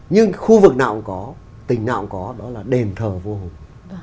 nhưng khu vực nào cũng có tình nào cũng có đó là đền thờ vua hùng